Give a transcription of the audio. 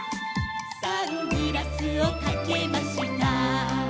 「サングラスをかけました」